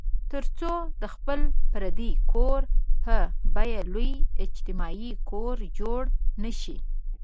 تر څو د خپل فردي کور په بیه لوی اجتماعي کور جوړ نه شي.